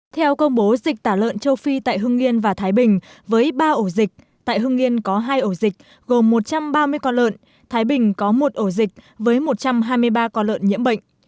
theo công bố dịch tả lợn châu phi tại hưng yên và thái bình với ba ổ dịch tại hưng yên có hai ổ dịch gồm một trăm ba mươi con lợn thái bình có một ổ dịch với một trăm hai mươi ba con lợn nhiễm bệnh